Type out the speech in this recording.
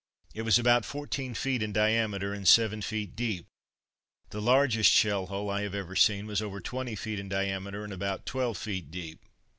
It was about fourteen feet in diameter, and seven feet deep. The largest shell hole I have ever seen was over twenty feet in diameter and about twelve feet deep.